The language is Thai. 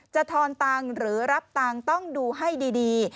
ทอนตังค์หรือรับตังค์ต้องดูให้ดี